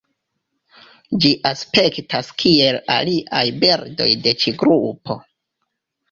Ĝi aspektas kiel aliaj birdoj de ĉi grupo.